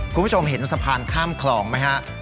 คุณผู้ชมเห็นสะพานข้ามคลองไหมฮะ